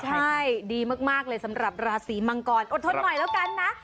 ใช่ดีมากเลยสำหรับราศีมังกรอดทนหน่อยแล้วกันนะ